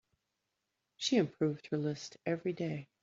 She improved her list every day.